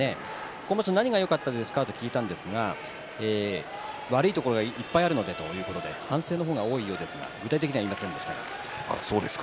今場所、何がよかったですか？と聞いたんですが悪いところがいっぱいあるのでということで反省の方が多いようですが具体的には言いませんでした。